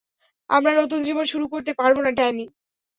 আমরা নতুন জীবন শুরু করতে পারবো না, ড্যানি।